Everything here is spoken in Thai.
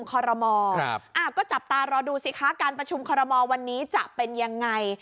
คอรมอก็จับตารอดูสิคะการประชุมคอรมอลวันนี้จะเป็นยังไง